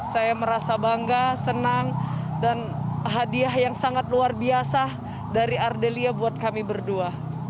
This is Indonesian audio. saya merasa bangga senang dan hadiah yang sangat luar biasa dari ardelia buat kami berdua